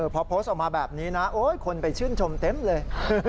พอโพสต์ออกมาแบบนี้นะคนไปชื่นชมเต็มเลย